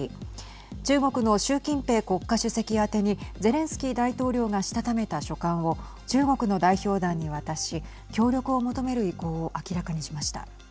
中国の習近平国家主席宛てにゼレンスキー大統領がしたためた書簡を中国の代表団に渡し協力を求める意向を明らかにしました。